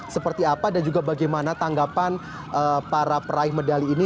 seperti apa dan juga bagaimana tanggapan para peraih medali ini